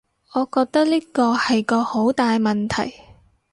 我覺得呢個係個好大問題